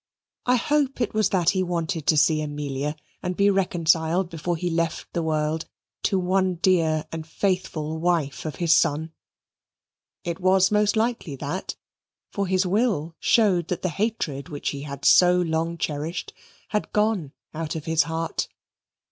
I hope it was that he wanted to see Amelia and be reconciled before he left the world to one dear and faithful wife of his son: it was most likely that, for his will showed that the hatred which he had so long cherished had gone out of his heart.